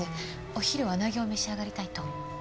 お昼はうなぎを召し上がりたいと。